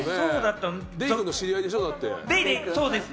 デイくんの知り合いでしょ？